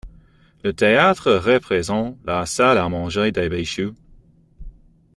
Le théâtre représente la salle à manger des Bichu.